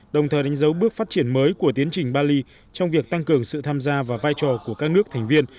đồng thời đánh dấu bước phát triển mới của tiến trình bali trong việc tăng cường sự tham gia và vai trò của các nước thành viên